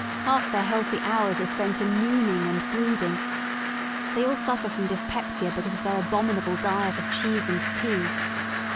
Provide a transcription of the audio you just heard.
Half their healthy hours are spent in mooning and brooding; they all suffer from dyspepsia because of their abominable diet of cheese and tea.